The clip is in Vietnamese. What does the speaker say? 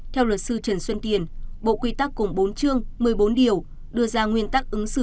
theo luật sư trần xuân tiền bộ quy tắc cùng bốn chương một mươi bốn điều đưa ra nguyên tắc ứng xử